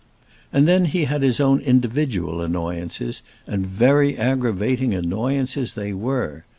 And then he had his own individual annoyances, and very aggravating annoyances they were.